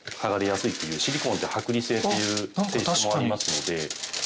シリコーンって剥離性っていう性質もありますので。